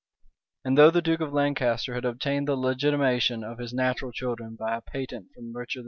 And though the duke of Lancaster had obtained the legitimation of his natural children by a patent from Richard II.